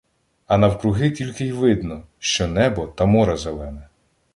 А навкруги тільки й видно, що небо та море зелене.